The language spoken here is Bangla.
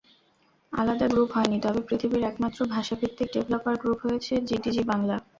আলাদা গ্রুপ হয়নি, তবে পৃথিবীর একমাত্র ভাষাভিত্তিক ডেভেলপার গ্রুপ হয়েছে জিডিজি-বাংলা।